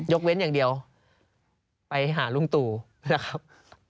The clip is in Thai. เว้นอย่างเดียวไปหาลุงตู่นะครับ